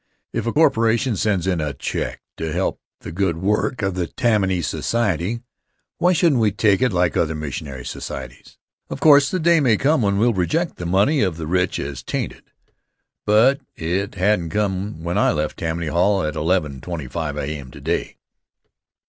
If a corporation sends in a check to help the good work of the Tammany Society, why shouldn't we take it like other missionary societies? Of course, the day may come when we'll reject the money of the rich as tainted, but it hadn't come when I left Tammany Hall at 11:25 A.M. today.